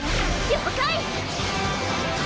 了解！